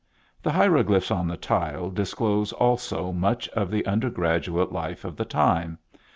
The hieroglyphs on the tile disclose also much of the undergraduate life of the time.